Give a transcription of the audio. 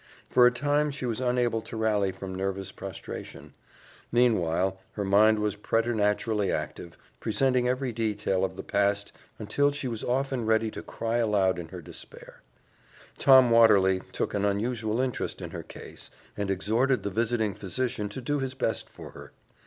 For a time she was unable to rally from nervous prostration; meanwhile, her mind was preternaturally active, presenting every detail of the past until she was often ready to cry aloud in her despair. Tom Watterly took an unusual interest in her case and exhorted the visiting physician to do his best for her.